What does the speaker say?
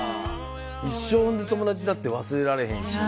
一生の友達だって、忘れられへんし。